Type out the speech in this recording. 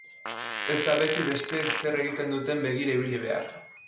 Ez da beti besteek zer egiten duten begira ibili behar.